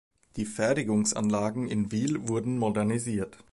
Die Fertigungsanlagen in Wiehl wurden modernisiert.